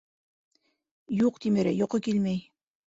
— Юҡ, Тимерәй, йоҡо килмәй.